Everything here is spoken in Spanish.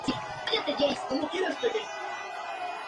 Otras nomenclaturas son "Candil de la Noche" o "Doncella de la Ilusión".